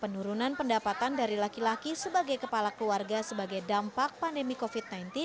penurunan pendapatan dari laki laki sebagai kepala keluarga sebagai dampak pandemi covid sembilan belas